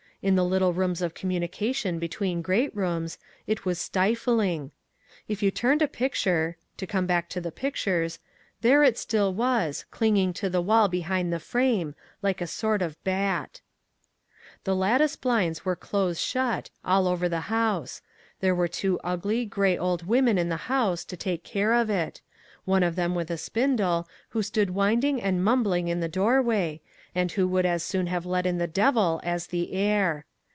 In the little rooms of communication between great rooms, it was stifling. If you turned a picture—to come back to the pictures—there it still was, clinging to the wall behind the frame, like a sort of bat. The lattice blinds were close shut, all over the house. There were two ugly, grey old women in the house, to take care of it; one of them with a spindle, who stood winding and mumbling in the doorway, and who would as soon have let in the devil as the air.